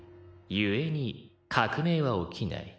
故に革命は起きない。